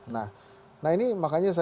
nah ini makanya